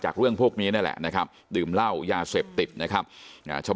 เรื่องพวกนี้นี่แหละนะครับดื่มเหล้ายาเสพติดนะครับชาว